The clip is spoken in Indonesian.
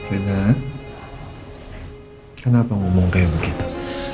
rena kenapa ngomong kayak begitu